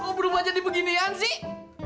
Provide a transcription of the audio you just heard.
oh berubah jadi beginian sih